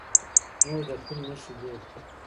موږ د فیل نښې ګورو.